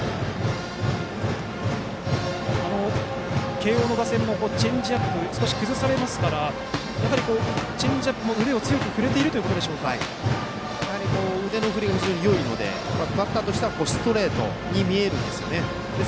慶応打線も、チェンジアップに少し崩されていますからやはりチェンジアップも腕を強く腕の振りが非常によいのでバッターとしてはストレートに見えるんですよね。